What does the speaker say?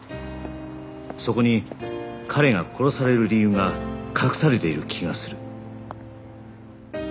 そこに彼が殺される理由が隠されている気がする